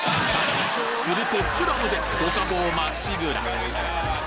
するとスクラムで五家宝まっしぐら！